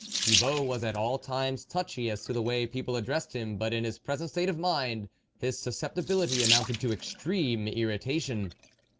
" Thibault was at all times touchy as to the way people addressed him, but in his present state of mind his susceptibility amounted to extreme irritation.